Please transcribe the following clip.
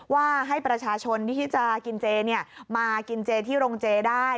ว่าให้ประชาชนที่จะกินเจมากินเจที่โรงเจได้